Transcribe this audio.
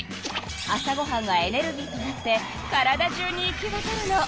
朝ごはんはエネルギーとなって体中に行きわたるの。